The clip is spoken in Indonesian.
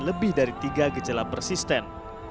lebih dari tiga gejala persisten